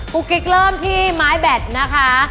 ุ๊กกิ๊กเริ่มที่ไม้แบตนะคะ